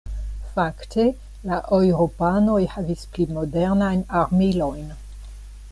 Fakte la eŭropanoj havis pli modernajn armilojn.